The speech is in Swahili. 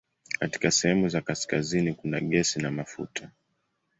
Katika sehemu za kaskazini kuna gesi na mafuta.